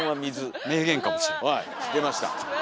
出ました。